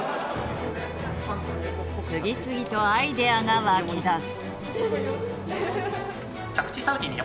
次々とアイデアが湧き出す。